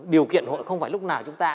điều kiện hội không phải lúc nào chúng ta